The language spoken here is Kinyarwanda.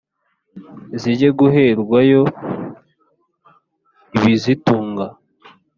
zijye guherwa yo ibizitunga